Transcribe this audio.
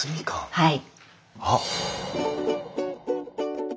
はい。